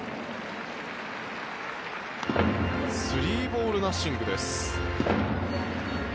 ３ボール、ナッシングです。